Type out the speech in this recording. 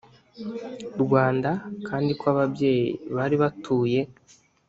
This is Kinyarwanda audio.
rwanda kandi ko ababyeyi bari batuye